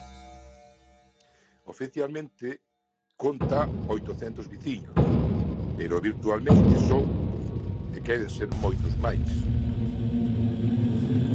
Oficialmente conta oitocentos veciños, pero virtualmente son e queren ser moitos máis.